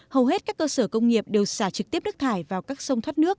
hầu hết các cơ sở công nghiệp đều xả trực tiếp nước thải vào các sông thoát nước